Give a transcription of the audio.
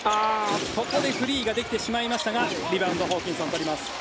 ここでフリーができてしまいましたがリバウンドホーキンソン取ります。